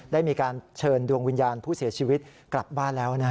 ได้มีการเชิญดวงวิญญาณผู้เสียชีวิตกลับบ้านแล้ว